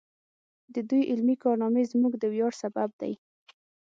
د دوی علمي کارنامې زموږ د ویاړ سبب دی.